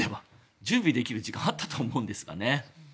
準備できる時間あったと思うんですよね。